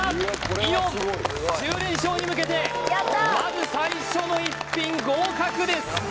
イオン１０連勝に向けてまず最初の一品合格です